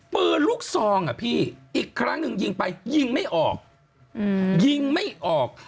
ปืนลูกซองอ่ะพี่อีกครั้งหนึ่งยิงไปยิงไม่ออกยิงไม่ออก